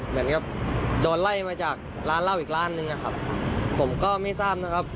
เหมือนกับโดนไล่มาจากร้านเหล้าอีกร้านนึงนะครับผมก็ไม่ทราบนะครับ